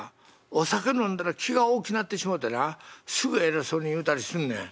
お酒飲んだら気が大きなってしもうてなすぐ偉そうに言うたりすんねん。